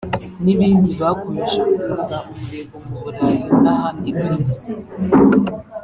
n’ibindi bakomeje gukaza umurego mu Burayi n’ahandi ku isi